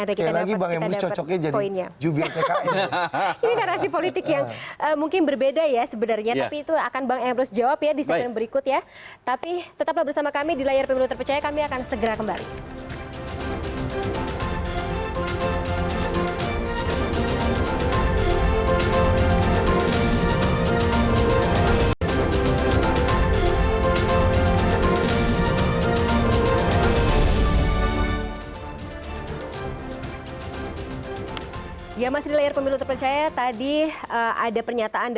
sekali lagi bang emrus cocoknya jadi jubiah pkn